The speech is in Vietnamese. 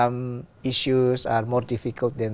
khoảng hai năm đúng